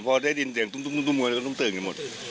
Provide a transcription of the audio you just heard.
พอได้ยินเสียงตุ่มตุ่มตุ่มตุ่มตุ่มตื่นกับเกิดหมด